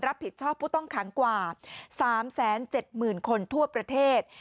รับผิดชอบผู้ต้องขังกว่า๓๗๐๐๐คนทั่วประเทศ